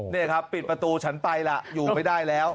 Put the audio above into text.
นี่ครับปิดประตูฉันไปล่ะอยู่ไม่ได้แล้ว